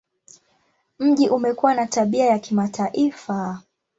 Mji umekuwa na tabia ya kimataifa.